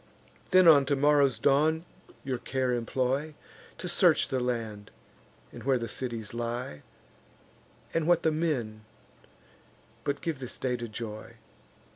Then, on tomorrow's dawn, your care employ, To search the land, and where the cities lie, And what the men; but give this day to joy.